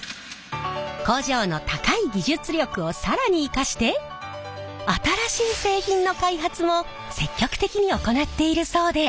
工場の高い技術力を更に生かして新しい製品の開発も積極的に行っているそうで。